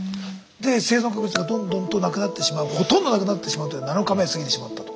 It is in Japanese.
で生存確率がどんどんとなくなってしまうほとんどなくなってしまうという７日目を過ぎてしまったと。